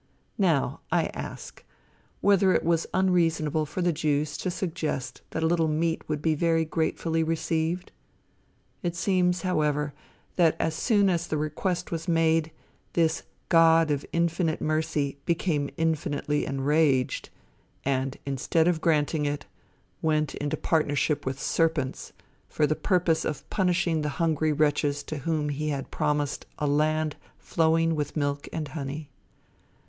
Now, I ask, whether it was unreasonable for the Jews to suggest that a little meat would be very gratefully received? It seems, however, that as soon as the request was made, this God of infinite mercy became infinitely enraged, and instead of granting it, went into, partnership with serpents, for the purpose of punishing the hungry wretches to whom he had promised a land flowing with milk and honey.